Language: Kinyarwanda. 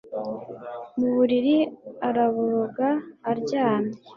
Mu buriri araboroga aryamye